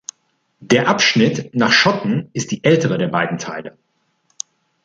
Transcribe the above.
Der Abschnitt nach Schotten ist die ältere der beiden Teile.